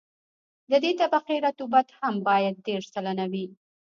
د دې طبقې رطوبت هم باید دېرش سلنه وي